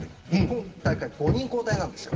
今大会は５人交代です。